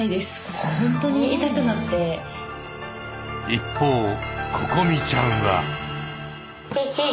一方ここみちゃんは。